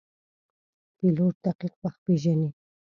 پیلوټ دقیق وخت پیژني.